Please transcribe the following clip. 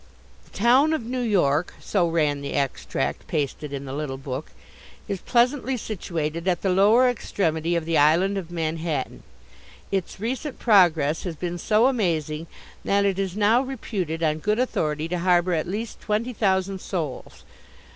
"The town of New York" so ran the extract pasted in the little book "is pleasantly situated at the lower extremity of the Island of Manhattan. Its recent progress has been so amazing that it is now reputed, on good authority, to harbour at least twenty thousand souls.